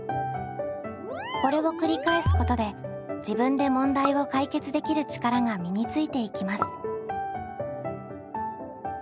これを繰り返すことで自分で問題を解決できる力が身についていきます。